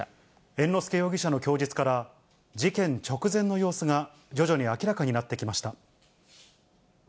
猿之助容疑者の供述から、事件直前の様子が徐々に明らかになってきました。